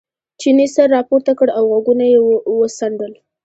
چیني سر را پورته کړ او غوږونه یې وڅنډل.